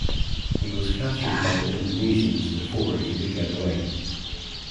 He was captured by the Indonesians before he could get away.